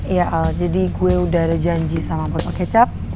iya jadi gue udah ada janji sama foto kecap